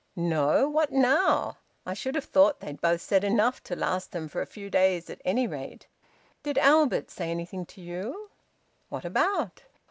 "No! What now? I should have thought they'd both said enough to last them for a few days at any rate." "Did Albert say anything to you?" "What about?"